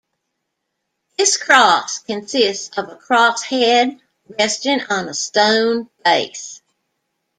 This cross consists of a cross head resting on a stone base.